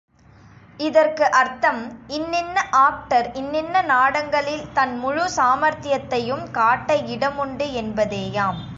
இதற்கு அர்த்தம், இன்னின்ன ஆக்டர் இன்னின்ன நாடகங்களில் தன் முழு சாமர்த்தியத்தையும் காட்ட இடமுண்டு என்பதேயாம்.